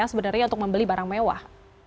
sebenarnya untuk membeli barang mewah